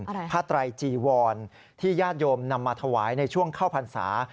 อะไรผ้าไตรจีวรที่ญาติโยมนำมาถวายในช่วงเข้าพรรษา